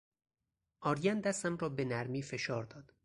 آرین دستم را به نرمی فشار داد.